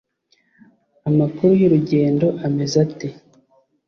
amakuru yurugendo ameze ate